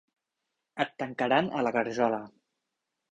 Et tancaran a la garjola.